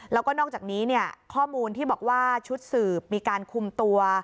แล้วก็นอกจากนี้เนี่ยข้อมูลที่บอกว่าชุดสืบมีการคุมตัว